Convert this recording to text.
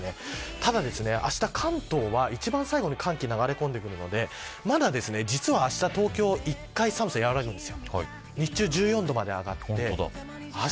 ただ、あした関東は一番最後に寒気が流れ込んでくるのでまだ実はあした東京、一回、寒さ和らぐんです。